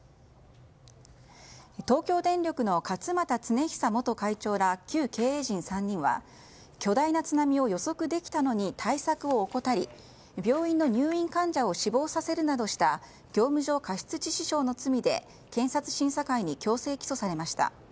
東京電力の勝俣恒久元会長ら旧経営陣３人は巨大な津波を予測できたのに対策を怠り病院の入院患者を死亡させるなどした業務上過失致死傷の罪で検察審査会に強制起訴されました。